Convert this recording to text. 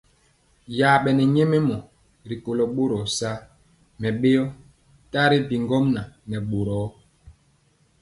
Yabɛne nyɛmemɔ rikolo boro saa mɛbeo tari bi ŋgomnaŋ nɛ boro.